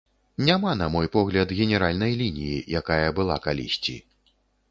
Няма, на мой погляд, генеральнай лініі, якая была калісьці.